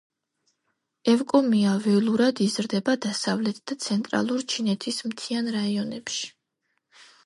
ევკომია ველურად იზრდება დასავლეთ და ცენტრალურ ჩინეთის მთიან რაიონებში.